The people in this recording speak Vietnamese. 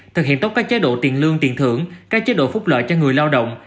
thực hiện tốt các chế độ tiền lương tiền thưởng các chế độ phúc lợi cho người lao động